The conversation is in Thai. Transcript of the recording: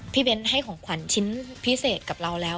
เบ้นให้ของขวัญชิ้นพิเศษกับเราแล้ว